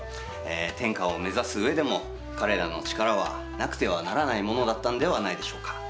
天下を目指す上でも彼らの力はなくてはならないものだったんではないでしょうか。